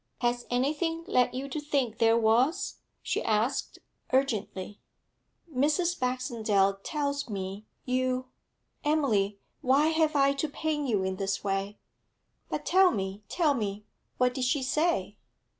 'Has anything led you to think there was?' she asked, urgently. 'Mrs. Baxendale tells me you Emily, why have I to pain you in this way?' 'But tell me tell me What did she say?'